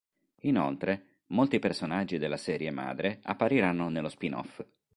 Inoltre, molti personaggi della serie madre appariranno nello spin-off.